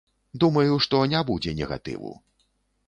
Думаю, што не будзе негатыву.